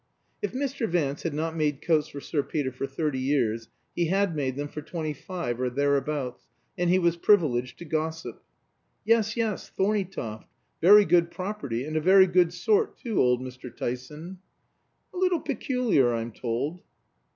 If Mr. Vance had not made coats for Sir Peter for thirty years, he had made them for twenty five or thereabouts, and he was privileged to gossip. "Yes, yes, Thorneytoft. Very good property. And a very good sort too, old Mr. Tyson." "A little peculiar, I'm told."